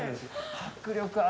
迫力ある。